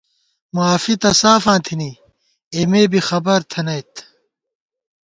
معافی تہ سافاں تھنی اېمے بی خبر تھنَئیت